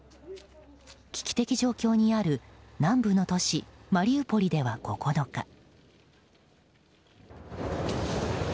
危機的状況にある南部の都市マリウポリでは９日。